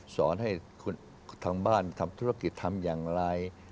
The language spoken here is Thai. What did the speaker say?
สอนให้ทางบ้านทำธุรกิจทำอย่างไร